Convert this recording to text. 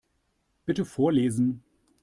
Bitte vorlesen.